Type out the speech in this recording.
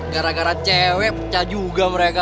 gara gara cewek pecah juga mereka